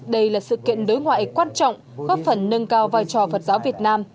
đây là sự kiện đối ngoại quan trọng góp phần nâng cao vai trò phật giáo việt nam